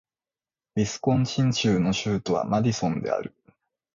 ウィスコンシン州の州都はマディソンである